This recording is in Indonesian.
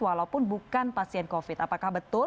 walaupun bukan pasien covid apakah betul